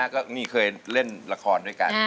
ก็นี่เคยเล่นละครด้วยกัน